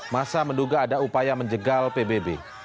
masa menduga ada upaya menjegal pbb